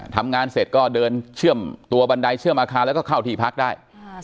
ทำงานเสร็จก็เดินเชื่อมตัวบันไดเชื่อมอาคารแล้วก็เข้าที่พักได้